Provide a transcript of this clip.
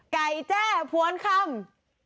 ไก่แจ้ผวนคำ